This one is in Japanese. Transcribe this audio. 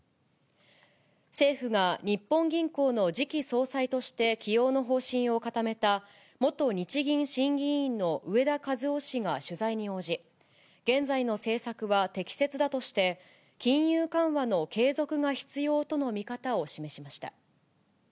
政府が日本銀行の次期総裁として、起用の方針を固めた、元日銀審議委員の植田和男氏が取材に応じ、現在の政策は適切だとして、金融緩和の継続が必要との見方を示しました。